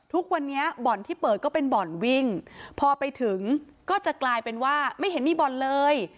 ทุกวันนี้บ่อนที่เปิดก็เป็นบ่อนวิ่งพอไปถึงก็จะกลายเป็นว่าไม่เห็นมีบ่อนเลย